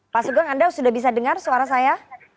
pak sugeng anda sudah bisa dengar suara saya